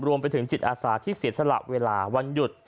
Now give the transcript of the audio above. รวมไปถึงจิตอาสาที่เสียสละเวลาวันหยุด